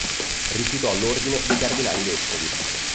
Rifiutò l'ordine dei cardinali vescovi.